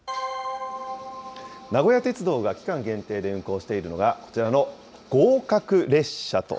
名古屋鉄道が期間限定で運行しているのが、こちらの合格列車と。